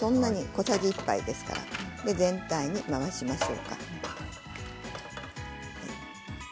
小さじ１杯ですから全体に回します。